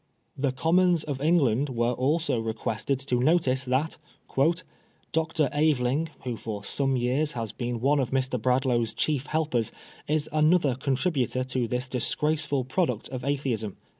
The Commons of England were also requested to notice that "Dr. Aveling, who for some years has been one of Mr. Bradlaugh's chief helpers, is another contributor to this disgraceful pro» duct of Atheism."